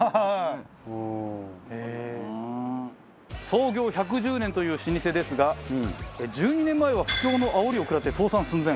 創業１１０年という老舗ですが１２年前は不況のあおりを食らって倒産寸前。